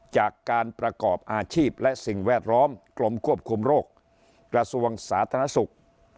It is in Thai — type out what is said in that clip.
จากการประกอบอาชีพและสิ่งแวดล้อมกรมควบคุมโรคกระทรวงสาธารณสุข